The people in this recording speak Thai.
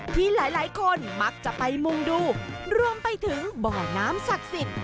ที่หลายคนมักจะไปมุ่งดูรวมไปถึงบ่อน้ำศักดิ์สิทธิ์